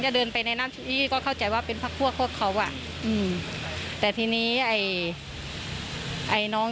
จะเดินไปในน้ำที่ก็เข้าใจว่าเป็นพวกเขาแต่ทีนี้ไอ้น้อง